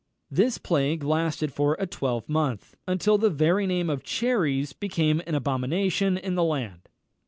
This plague lasted for a twelvemonth, until the very name of cherries became an abomination in the land.